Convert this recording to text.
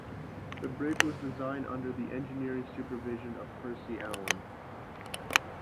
The bridge was designed under the engineering supervision of Percy Allan.